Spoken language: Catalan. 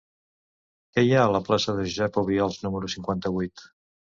Què hi ha a la plaça de Josep Obiols número cinquanta-vuit?